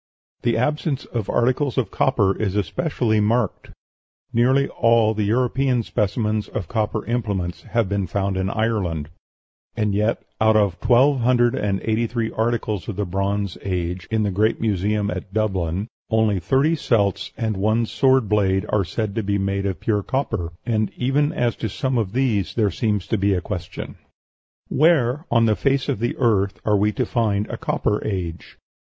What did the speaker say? The absence of articles of copper is especially marked, nearly all the European specimens of copper implements have been found in Ireland; and yet out of twelve hundred and eighty three articles of the Bronze Age, in the great museum at Dublin, only thirty celts and one sword blade are said to be made of pure copper; and even as to some of these there seems to be a question. Where on the face of the earth are we to find a Copper Age?